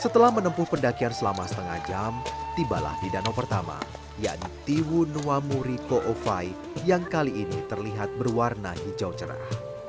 setelah menempuh pendakian selama setengah jam tibalah di danau pertama yakni tiwunuamurikofai yang kali ini terlihat berwarna hijau cerah